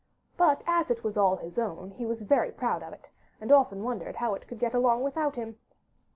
But as it was all his own, he was very proud of it, and often wondered how it would get along without him.